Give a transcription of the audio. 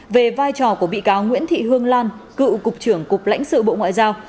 về vai trò của bị cáo nguyễn thị hương lan cựu cục trưởng cục lãnh sự bộ ngoại giao